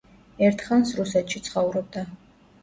ერთხანს რუსეთში ცხოვრობდა.